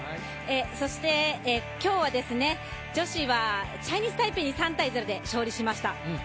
そして今日は女子はチャイニーズ・タイペイに３−０で勝利しました。